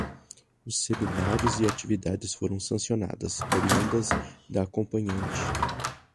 Os seminários e atividades foram sancionadas, oriundas da acompanhante